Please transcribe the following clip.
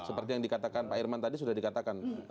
seperti yang dikatakan pak irman tadi sudah dikatakan